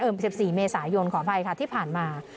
เอ่อสิบสี่เมษายนขออภัยค่ะที่ผ่านมา